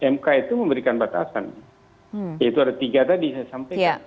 mk itu memberikan batasan yaitu ada tiga tadi saya sampaikan